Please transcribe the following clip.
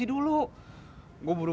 tetap saja audrey